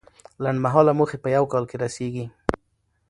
لنډمهاله موخې په یو کال کې رسیږي.